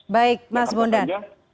baik mas bondan